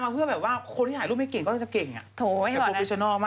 หรือถ่ายทุบช็อตทุบช็อตค่ะ